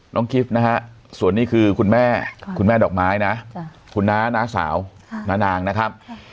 กิฟต์นะฮะส่วนนี้คือคุณแม่คุณแม่ดอกไม้นะคุณน้าน้าสาวน้านางนะครับ